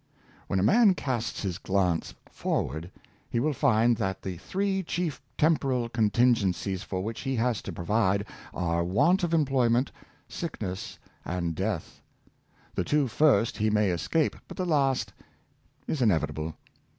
When a man casts his glance forward, he will find that the three chief temporal contingencies for which he has to provide are want of employment, sickness, and death. The two first he may escape, but the last is inevitable.